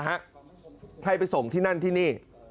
ให้ไปส่งที่นั่นที่นี่